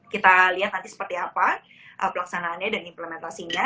kita lihat nanti seperti apa pelaksanaannya dan implementasinya